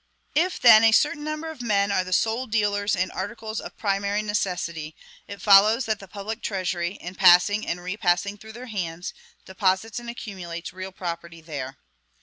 If, then, a certain number of men are the sole dealers in articles of primary necessity, it follows that the public treasury, in passing and repassing through their hands, deposits and accumulates real property there.